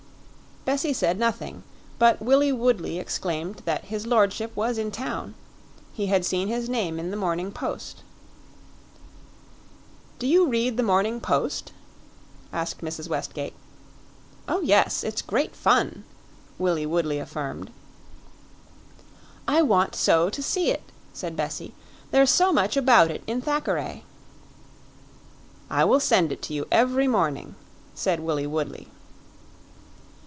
Bessie said nothing, but Willie Woodley exclaimed that his lordship was in town; he had seen his name in the Morning Post. "Do you read the Morning Post?" asked Mrs. Westgate. "Oh, yes; it's great fun," Willie Woodley affirmed. "I want so to see it," said Bessie; "there is so much about it in Thackeray." "I will send it to you every morning," said Willie Woodley.